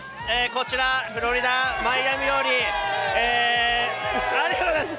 こちらフロリダ・マイアミよりありがとうございます！